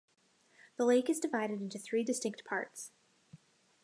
The lake is divided into three distinct parts.